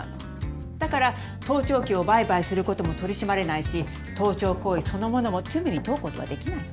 だから盗聴器を売買することも取り締まれないし盗聴行為そのものも罪に問うことはできないの。